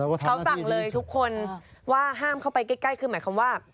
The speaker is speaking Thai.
เขาสั่งเลยทุกคนว่าห้ามเข้าไปใกล้คือหมายความว่า